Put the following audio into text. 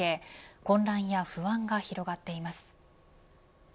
混乱や不安が広がっています。